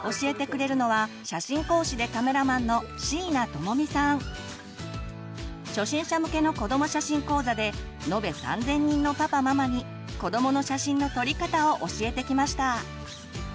教えてくれるのは初心者向けの子ども写真講座で延べ３，０００人のパパママに子どもの写真の撮り方を教えてきました。